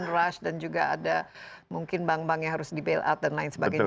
rush dan juga ada mungkin bank bank yang harus di bailout dan lain sebagainya